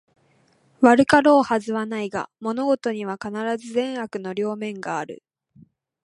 悪かろうはずはないが、物事には必ず善悪の両面がある